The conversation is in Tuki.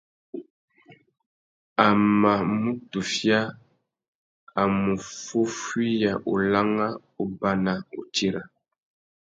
A mà mù tufia, a mù fúffüiya ulangha, ubana, utira.